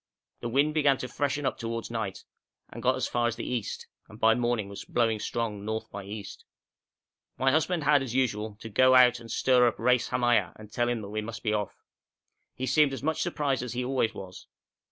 The wind began to freshen up towards night and got as far as the east, and by morning was blowing strong north by east. My husband had, as usual, to go out and stir up Reis Hamaya and tell him we must be off. He seemed as much surprised as he always was.